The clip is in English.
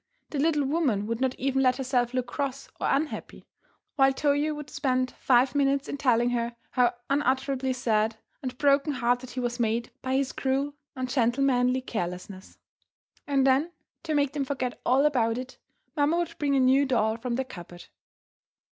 The little woman would not even let herself look cross or unhappy, while Toyo would spend five minutes in telling her how unutterably sad and broken hearted he was made by his cruel, ungentlemanly carelessness. And then, to make them forget all about it, mamma would bring a new doll from the cupboard.